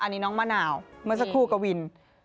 อันนี้น้องมะนาวเมื่อสักครู่กวิน